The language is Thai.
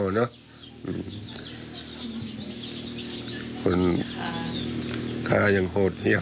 เธอาายังโหดเยี่ยม